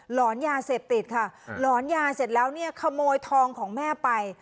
หอนยาเสพติดค่ะหลอนยาเสร็จแล้วเนี่ยขโมยทองของแม่ไป